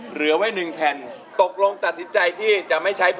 เหลือแผ่นที่๑๒๓๔๕นะฮะ